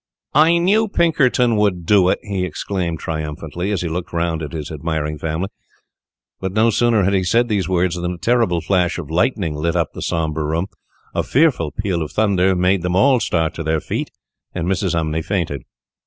"I knew Pinkerton would do it," he exclaimed, triumphantly, as he looked round at his admiring family; but no sooner had he said these words than a terrible flash of lightning lit up the sombre room, a fearful peal of thunder made them all start to their feet, and Mrs. Umney fainted.